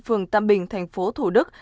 phường tâm bình tp thổ đức